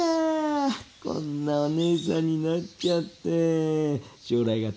こんなお姉さんになっちゃって将来が楽しみ。